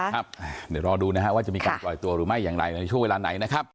เดี๋ยวรอดูนะฮะว่าจะมีการปล่อยตัวหรือไม่อย่างไรในช่วงเวลาไหนนะครับ